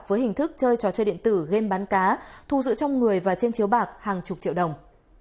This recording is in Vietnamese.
với hình thức chơi trò chơi điện tử game bán cá thu giữ trong người và trên chiếu bạc hàng chục triệu đồng